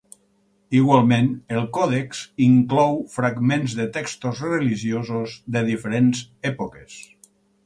Igualment, el còdex inclou fragments de textos religiosos de diferents èpoques.